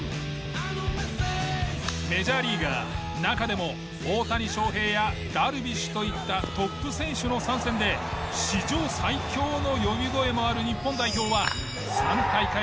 メジャーリーガー中でも大谷翔平やダルビッシュといったトップ選手の参戦で史上最強の呼び声もある日本代表は。